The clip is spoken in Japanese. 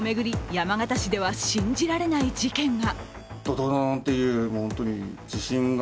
山形市では信じられない事件が。